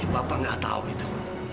bapak gak tau itu